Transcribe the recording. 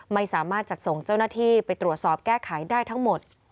ไม่สามารถจัดส่งเจ้าหน้าที่ไปตรวจสอบแก้ไขได้ทั้งหมด